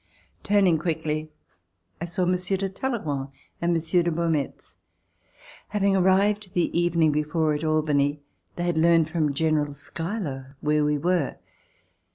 Turning quickly, I saw Monsieur de Talleyrand and Monsieur de Beaumetz. Having arrived the evening before at Albany, they had learned from General Schuyler where we were.